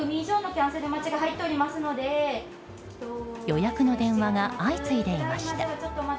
予約の電話が相次いでいました。